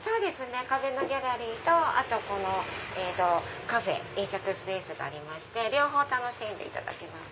壁のギャラリーとこのカフェ飲食スペースがありまして両方楽しんでいただけます